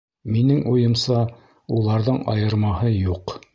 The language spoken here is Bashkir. Минең уйымса, уларҙың айырмаһы юҡ..